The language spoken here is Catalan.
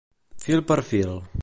Fil per fil.